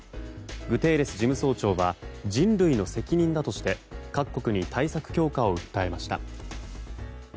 グテーレス事務総長は人類の責任だとして各国に対策強化を訴えました。